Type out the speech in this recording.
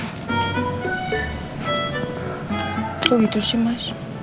kok gitu sih mas